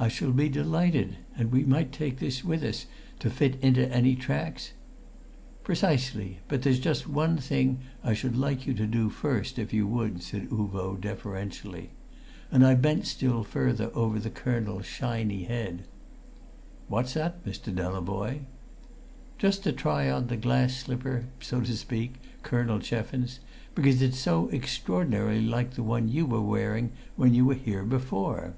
"I shall be delighted, and we might take this with us to fit into any tracks " "Precisely; but there's just one thing I should like you to do first, if you would," said Uvo deferentially, and I bent still further over the colonel's shiny head. "What's that, Mr. Delavoye?" "Just to try on the glass slipper so to speak, Colonel Cheffins because it's so extraordinarily like the one you were wearing when you were here before!"